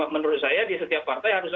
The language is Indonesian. menurut saya di setiap partai harus